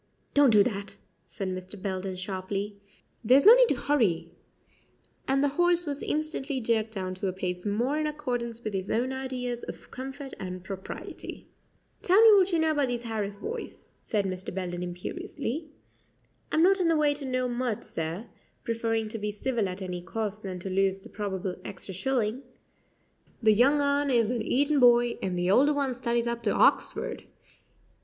"Don't do that," said Mr. Belden sharply; "there's no need to hurry and the horse was instantly jerked down to a pace more in accordance with his own ideas of comfort and propriety. "Tell me what you know about these Harris boys," said Mr. Belden imperiously. "I'm not in the way to know much, sir" preferring to be civil at any cost than to lose the probable extra shilling "the young un is an Eton boy, and the older one studies up to Hoxford.